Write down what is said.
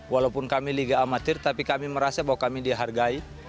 walaupun kami liga amatir tapi kami merasa bahwa kami dihargai